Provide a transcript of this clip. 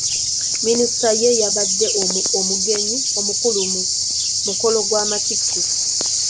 Minisita ye yabadde omugenyi omukulu ku mukolo gw'amattikira..